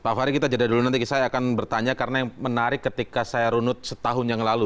pak fahri kita jeda dulu nanti saya akan bertanya karena yang menarik ketika saya runut setahun yang lalu